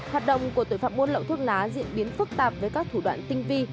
hạt đồng của tội phạm buôn lậu thuốc lá diễn biến phức tạp với các thủ đoạn tinh vi